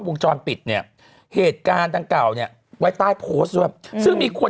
วงจรปิดเนี่ยเหตุการณ์ดังเก่าเนี่ยไว้ใต้โพสต์ด้วยซึ่งมีคน